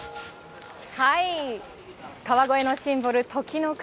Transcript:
川越のシンボル、時の鐘。